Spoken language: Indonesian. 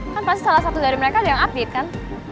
kan pasti salah satu dari mereka yang update kan